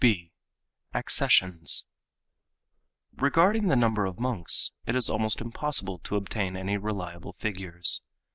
(b) Accessions.—Regarding the number of monks it is almost impossible to obtain any reliable figures.